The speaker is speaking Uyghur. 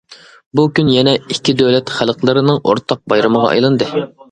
بۇ كۈن يەنە ئىككى دۆلەت خەلقلىرىنىڭ ئورتاق بايرىمىغا ئايلاندى.